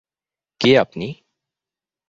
কে আপনি?